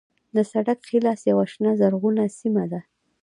د سړک ښی لاس یوه شنه زرغونه سیمه ده.